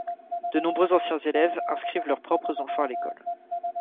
De nombreux anciens élèves inscrivent leurs propres enfants à l’école.